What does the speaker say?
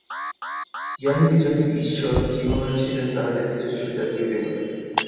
য়াহুদী জাতির ঈশ্বর যিহোবা ছিলেন তাহাদের নিজস্ব জাতীয় দেবতা।